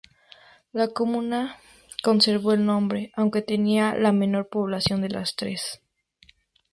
La comuna conservó el nombre, aunque tenía la menor población de las tres.